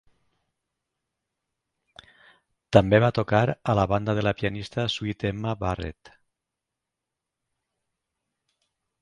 També va tocar a la banda de la pianista Sweet Emma Barrett.